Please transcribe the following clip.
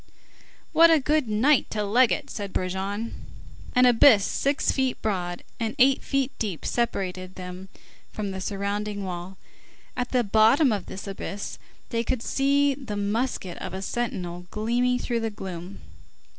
"What a good night to leg it!" said Brujon. An abyss six feet broad and eighty feet deep separated them from the surrounding wall. At the bottom of this abyss, they could see the musket of a sentinel gleaming through the gloom.